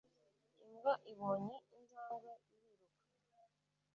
Imbwa ibonye, injangwe iriruka.